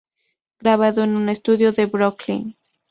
Grabado en un estudio de Brooklyn.